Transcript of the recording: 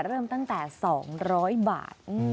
เริ่มตั้งแต่๒๐๐บาท